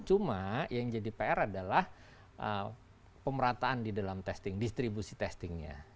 cuma yang jadi pr adalah pemerataan di dalam testing distribusi testingnya